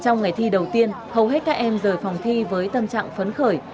trong ngày thi đầu tiên hầu hết các em rời phòng thi với tâm trạng phấn khởi